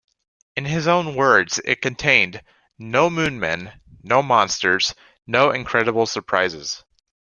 In his own words, it contained "no moonmen, no monsters, no incredible surprises".